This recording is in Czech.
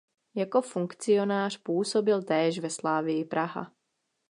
Jako funkcionář působil též ve Slavii Praha.